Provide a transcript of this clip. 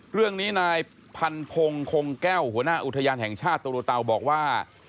เรื่องนี้นายพันพงศ์คงแก้วหัวหน้าอุทยานแห่งชาติตรูเตาบอกว่า